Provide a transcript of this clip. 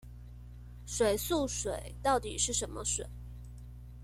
水素水到底是什麼水